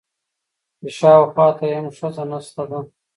چې شاوخوا ته يې هم ښځه نشته ده.